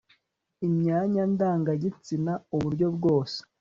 imyanyandangagitsina, ubu uburyo bwose